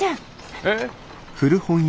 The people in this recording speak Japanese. えっ。